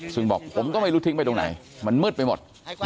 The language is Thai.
ซึ่งบอกผมก็ไม่รู้ทิ้งไปตรงไหนมันมืดไปหมด